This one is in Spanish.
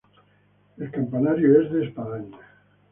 El campanario es de espadaña.